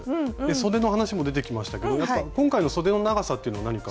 そでの話も出てきましたけど今回のそでの長さというのは何か。